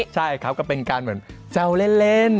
ใช่ครับก็เป็นการเหมือนแซวเล่น